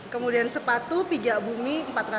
kemudian sepatu pijak bumi empat ratus dua puluh